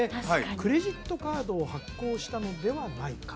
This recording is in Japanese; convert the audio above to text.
クレジットカードを発行したのではないか？